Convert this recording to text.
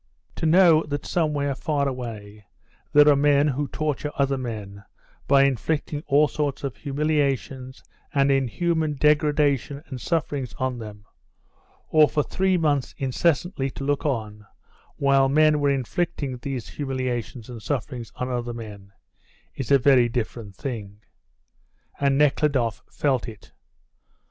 To know that somewhere far away there are men who torture other men by inflicting all sorts of humiliations and inhuman degradation and sufferings on them, or for three months incessantly to look on while men were inflicting these humiliations and sufferings on other men is a very different thing. And Nekhludoff felt it.